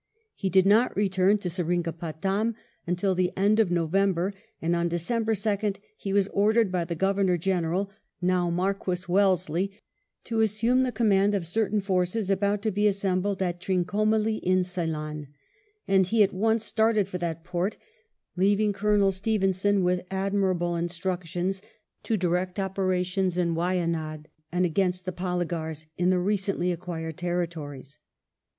He did not return to Seringapatam until the end of November, and on December 2nd he was ordered by the Governor General, now Marquess Wellesley, to assume the command of certain forces about to be assembled at Trincomalee in Ceylon, and he at once started for that port, leaving Colonel Stevenson with admirable instructions to direct operations in Wynaad and against the polygars in the recently acquired territories.